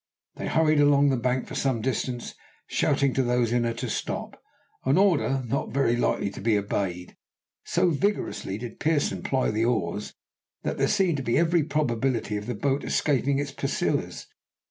They hurried along the bank for some distance, shouting to those in her to stop an order not very likely to be obeyed. So vigorously did Pearson ply the oars, that there seemed every probability of the boat escaping its pursuers.